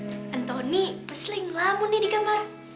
wah andoni pesling lamu nih di kamar